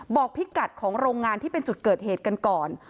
พิกัดของโรงงานที่เป็นจุดเกิดเหตุกันก่อน